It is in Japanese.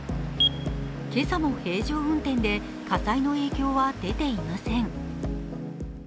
今朝も平常運転で火災の影響は出ていません。